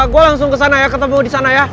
gua langsung kesana ya kita bawa disana ya